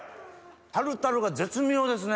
タルタルが絶妙ですね！